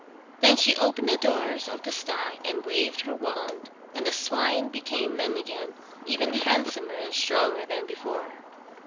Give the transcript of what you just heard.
Then she opened the doors of the sty and waved her wand. And the swine became men again even handsomer and stronger than before.